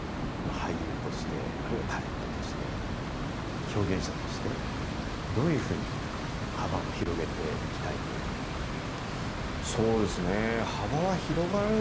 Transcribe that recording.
今後は、俳優として、あるいはタレントとして、表現者としてね、どういうふうに幅を広げていきたいとお考えでしょうか。